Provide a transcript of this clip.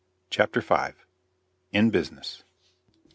CHAPTER V. IN BUSINESS.